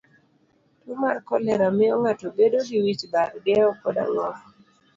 Tuo mar kolera miyo ng'ato bedo gi wich bar, diewo kod ng'ok.